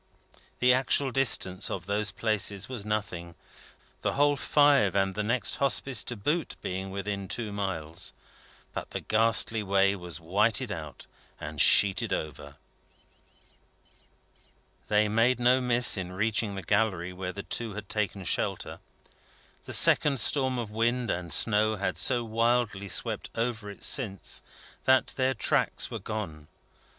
The actual distance of those places was nothing: the whole five, and the next Hospice to boot, being within two miles; but the ghastly way was whitened out and sheeted over. They made no miss in reaching the Gallery where the two had taken shelter. The second storm of wind and snow had so wildly swept over it since, that their tracks were gone.